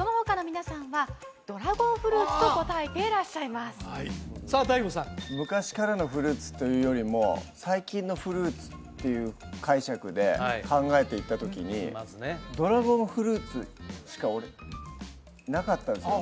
どうぞはいさあＤＡＩＧＯさん昔からのフルーツというよりも最近のフルーツっていう解釈で考えていったときにドラゴンフルーツしか俺なかったんですよね